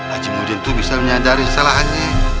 haji muhyiddin tuh bisa menyadari salahannya